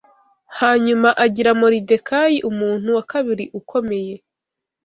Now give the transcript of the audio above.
Hanyuma agira Moridekayi umuntu wa kabiri ukomeye